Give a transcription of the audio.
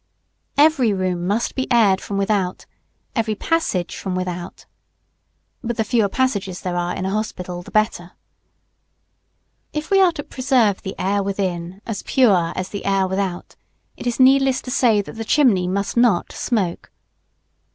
Every room must be aired from without every passage from without. But the fewer passages there are in a hospital the better. [Sidenote: Smoke.] If we are to preserve the air within as pure as the air without, it is needless to say that the chimney must not smoke.